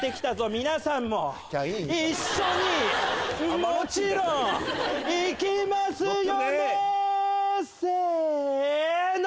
皆さんも一緒にもちろんいきますよねせの！